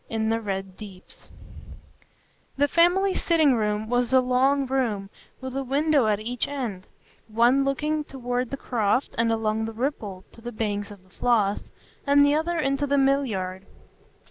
In the Red Deeps The family sitting room was a long room with a window at each end; one looking toward the croft and along the Ripple to the banks of the Floss, the other into the mill yard.